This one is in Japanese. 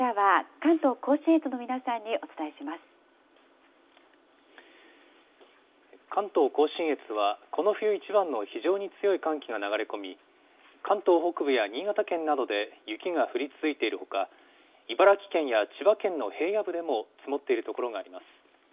関東甲信越は、この冬一番の非常に強い寒気が流れ込み、関東北部や新潟県などで雪が降り続いているほか、茨城県や千葉県の平野部でも積もっている所があります。